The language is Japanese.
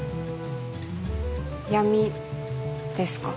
闇ですか？